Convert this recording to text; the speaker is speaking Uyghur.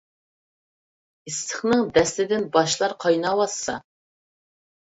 ئىسسىقنىڭ دەستىدىن باشلار قايناۋاتسا.